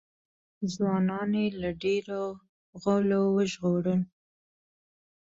ځوانان یې له ډېرو غولو وژغورل.